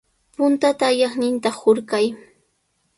Puntata ayaqninta hurqay.